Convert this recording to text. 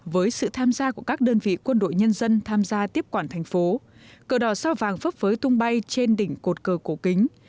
với sự tham gia của các đơn vị quân đội nhân dân tham gia tiếp quản thành phố cờ đỏ sao vàng phấp phới tung bay trên đỉnh cột cờ cổ kính